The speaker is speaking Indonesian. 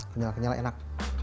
kenyalah kenyalah enak